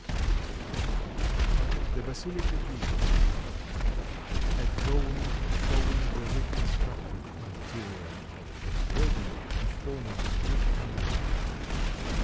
[Illustration: THE BASILICA JULIA A drawing showing the reconstructed interior of this building, which formerly stood in the Forum.